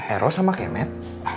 eros sama kemet